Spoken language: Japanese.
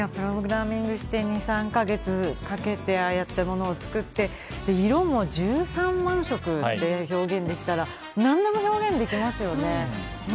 プログラミングして２３か月かけて、ああやって物を作って色も１３万色で表現できたら何度も表現できますよね。